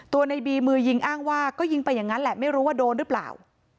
ในบีมือยิงอ้างว่าก็ยิงไปอย่างนั้นแหละไม่รู้ว่าโดนหรือเปล่า